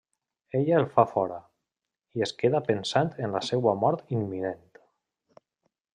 Ella el fa fora, i es queda pensant en la seua mort imminent.